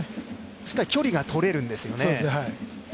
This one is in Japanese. しっかり距離がとれるんですよね。